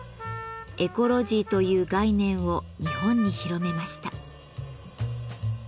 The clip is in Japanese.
エコロジーという概念を日本に広めました。